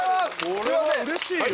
これはうれしいよ。